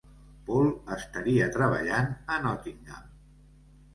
Paul estaria treballant a Nottingham.